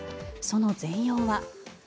その全容は。